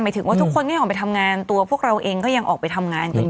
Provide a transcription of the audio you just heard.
หมายถึงว่าทุกคนก็ยังออกไปทำงาน